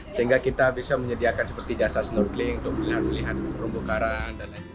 sehingga kita bisa menyediakan seperti jasa snorkeling untuk melihat melihat rumbu karang